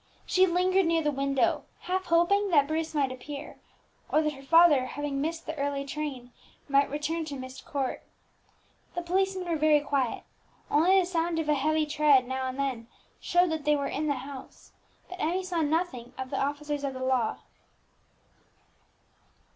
She lingered near the window, half hoping that Bruce might appear, or that her father, having missed the early train, might return to Myst Court. The policemen were very quiet; only the sound of a heavy tread, now and then, showed that they were in the house; but Emmie saw nothing of the officers of the law.